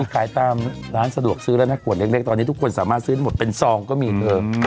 ขายตามร้านสะดวกซื้อแล้วนะขวดเล็กตอนนี้ทุกคนสามารถซื้อได้หมดเป็นซองก็มีเธอ